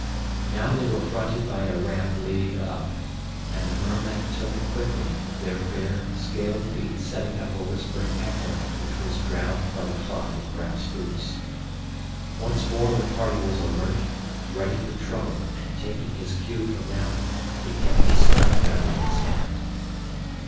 Now they were fronted by a ramp leading up, and the mermen took it quickly, their bare, scaled feet setting up a whispering echo which was drowned by the clop of Raf's boots. Once more the party was alert, ready for trouble, and taking his cue from them, he kept his stun gun in his hand.